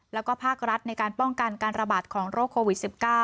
แล้วก็ภาครัฐในการป้องกันการระบาดของโรคโควิด๑๙